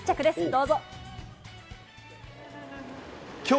どうぞ。